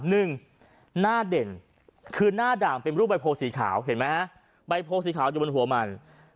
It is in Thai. หนึ่งหน้าเด่นคือหน้าด่างเป็นรูปใบโพสีขาวเห็นไหมฮะใบโพสีขาวอยู่บนหัวมัน